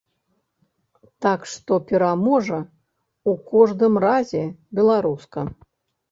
Так што пераможа, у кожным разе, беларуска.